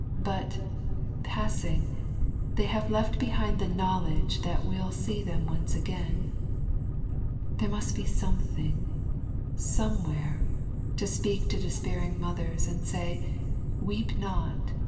But, passing, they have left behind the knowledge that we'll see them once again. There must be something, somewhere, to speak to despairing mothers and say, "Weep not!